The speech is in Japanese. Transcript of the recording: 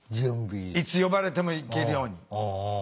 いつ呼ばれても行けるように。